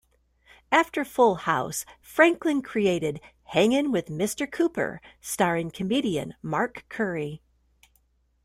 After "Full House", Franklin created "Hangin' with Mr. Cooper", starring comedian Mark Curry.